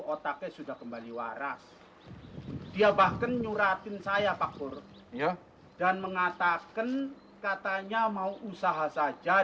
otaknya sudah kembali waras dia bahkan nyuratin saya pak kur ya dan mengatakan katanya mau usaha saja